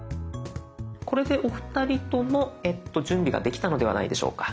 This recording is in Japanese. これでお二人とも準備ができたのではないでしょうか。